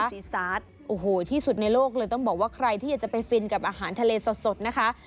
ซีซาสโอ้โหที่สุดในโลกเลยต้องบอกว่าใครที่อยากจะไปฟินกับอาหารทะเลสดนะคะ